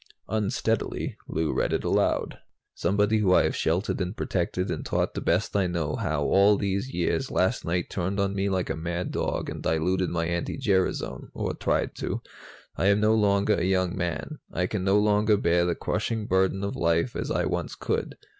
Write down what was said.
Unsteadily, Lou read it aloud: "'Somebody who I have sheltered and protected and taught the best I know how all these years last night turned on me like a mad dog and diluted my anti gerasone, or tried to. I am no longer a young man. I can no longer bear the crushing burden of life as I once could.